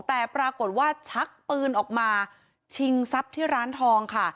แต่ปรากฏว่าชักปืนออกมาชิงทรัพย์ที่ร้านทองค่ะ